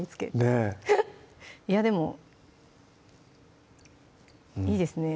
ねっいやでもいいですね